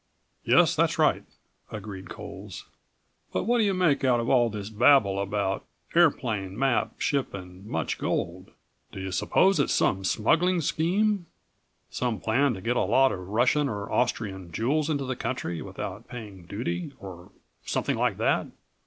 "Yes, that's right," agreed Coles. "But what do you make out of all that babble about airplane, map, ship and much gold? Do you suppose it's some smuggling scheme, some plan to get a lot of Russian or Austrian jewels into the country without paying duty or something like that?"